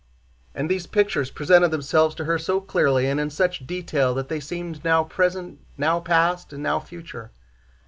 And these pictures presented themselves to her so clearly and in such detail that they seemed now present, now past, and now future.